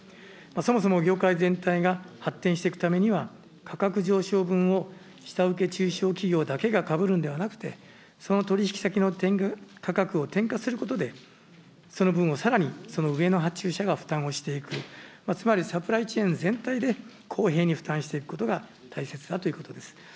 そもそも業界全体が発展していくためには、価格上昇分を下請け・中小企業だけがかぶるんではなくて、その取引先の価格を転嫁することで、その分をさらにその上の発注者が負担をしていく、つまりサプライチェーン全体で公平に負担していくことが大切だということです。